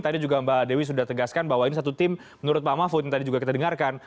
tadi juga mbak dewi sudah tegaskan bahwa ini satu tim menurut pak mahfud yang tadi juga kita dengarkan